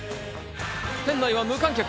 店内は無観客。